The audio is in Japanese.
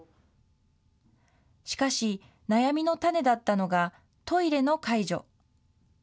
しかし、悩みの種だったのが、トイレの介助。